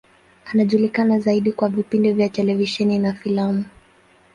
Anajulikana zaidi kwa vipindi vya televisheni na filamu.